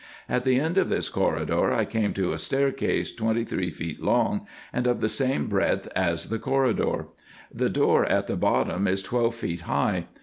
At the end of this corridor I came to a staircase twenty three feet long, and of the same breadth as the corridor. The door at the bottom is twelve feet high.